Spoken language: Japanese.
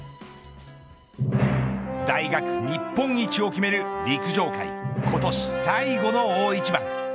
大学日本一を決める陸上界今年最後の大一番。